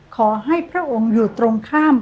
ขอให้พระองค์อยู่ตรงข้าม